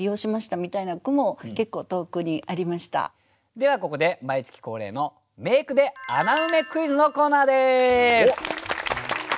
ではここで毎月恒例の「名句ｄｅ穴埋めクイズ」のコーナーです。